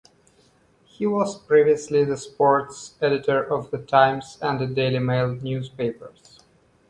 He was previously the sports editor of "The Times" and the "Daily Mail" newspapers.